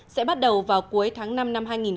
sẽ bắt đầu vào cuối tháng năm năm hai nghìn một mươi bảy